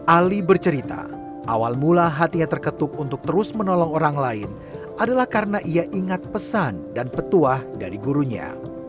ali bercerita awal mula hatinya terketup untuk terus menolong orang lain adalah karena ia ingat pesan dan petuah dari gurunya